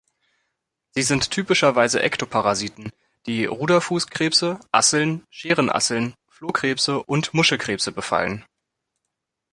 Sie sind typischerweise Ektoparasiten, die Ruderfußkrebse, Asseln, Scherenasseln, Flohkrebse und Muschelkrebse befallen.